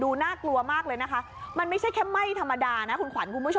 ดูน่ากลัวมากเลยนะคะมันไม่ใช่แค่ไหม้ธรรมดา